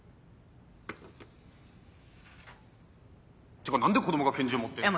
てか何で子供が拳銃持ってんねん。